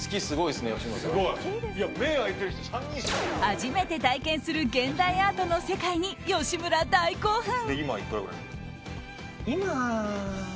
初めて体験する現代アートの世界に吉村、大興奮！